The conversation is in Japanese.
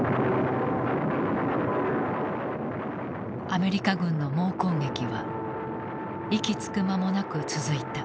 アメリカ軍の猛攻撃は息つく間もなく続いた。